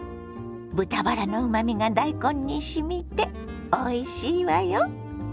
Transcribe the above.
豚バラのうまみが大根にしみておいしいわよ。